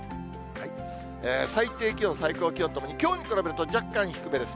最低気温、最高気温ともにきょうに比べると、若干低めです。